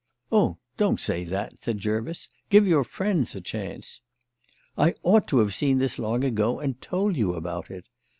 "Oh, don't say that," said Jervis. "Give your friends a chance." "I ought to have seen this long ago and told you about it.